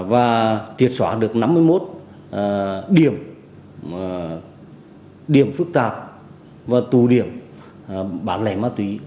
và triệt xóa được năm mươi một điểm phức tạp và tù điểm bán lẻ ma túy